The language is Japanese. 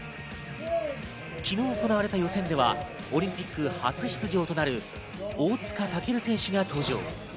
昨日行われた予選ではオリンピック初出場となる大塚健選手が登場。